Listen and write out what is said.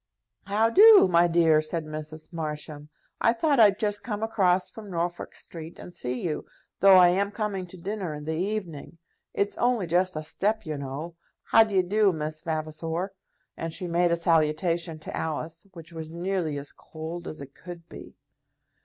"How do, my dear?" said Mrs. Marsham. "I thought I'd just come across from Norfolk Street and see you, though I am coming to dinner in the evening. It's only just a step, you know. How d'ye do, Miss Vavasor?" and she made a salutation to Alice which was nearly as cold as it could be.